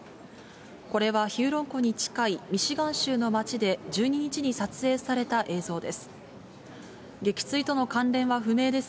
これはヒューロン湖に近いミシガン州の街で１２日に撮影された映像です。